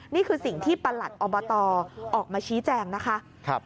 นี่คือสิ่งที่ประหลัดอบตออกมาชี้แจงนะคะ